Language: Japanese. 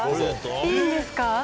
いいんですか？